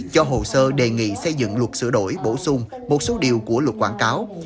cho hồ sơ đề nghị xây dựng luật sửa đổi bổ sung một số điều của luật quảng cáo